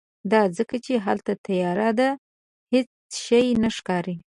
دا ځکه چې هلته تیاره ده، هیڅ شی نه ښکاری